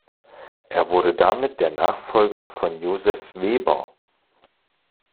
Er wurde damit der Nachfolger von Joseph Weber.